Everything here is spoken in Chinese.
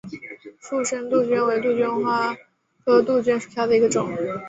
附生杜鹃为杜鹃花科杜鹃属下的一个种。